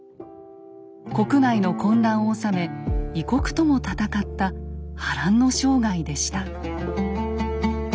国内の混乱をおさめ異国とも戦った波乱の生涯でした。